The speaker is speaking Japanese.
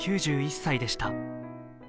９１歳でした。